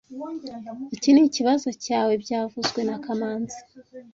Iki nikibazo cyawe byavuzwe na kamanzi